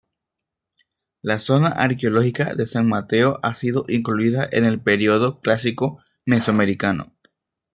La zona arqueológica de San Mateo ha sido incluida en el periodo clásico mesoamericano.